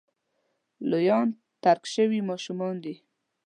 لویان ترک شوي ماشومان دي.